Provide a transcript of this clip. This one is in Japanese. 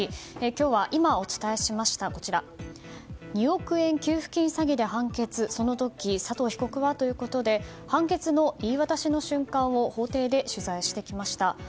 今日は今、お伝えしました２億円給付金詐欺で判決その時、佐藤被告はということで判決の言い渡しの瞬間を法廷で取材してきました。